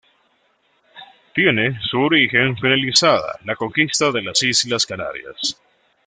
Tiene su origen finalizada la conquista de las islas Canarias.